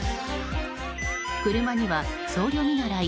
車には僧侶見習い